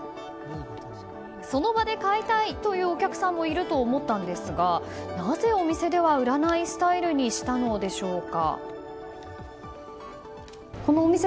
その場で買いたいというお客さんもいると思ったんですがなぜお店では売らないスタイルにしたのでしょうか？